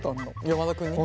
山田君に？